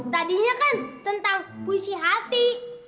tadinya kan tentang puisi hati